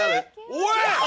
おい！